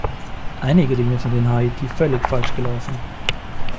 Einige Dinge sind in Haiti völlig falsch gelaufen.